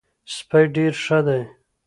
سپی ډېر ښه دی.